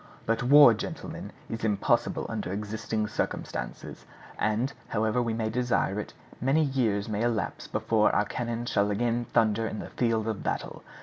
_) "But war, gentlemen, is impossible under existing circumstances; and, however we may desire it, many years may elapse before our cannon shall again thunder in the field of battle.